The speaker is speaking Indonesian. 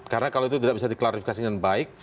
karena kalau itu tidak bisa diklarifikasi dengan baik